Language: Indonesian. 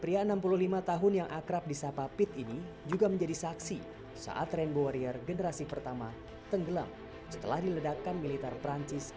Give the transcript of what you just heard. pria enam puluh lima tahun yang akrab di sapa pit ini juga menjadi saksi saat rainbow warrior generasi pertama tenggelam setelah diledakkan militer perancis pada seribu sembilan ratus delapan puluh lima